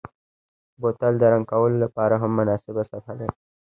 بوتل د رنګ کولو لپاره هم مناسبه سطحه لري.